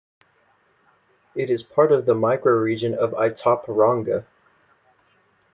It is part of the microregion of Itaporanga.